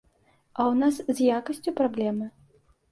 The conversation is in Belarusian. А ў нас з якасцю праблемы.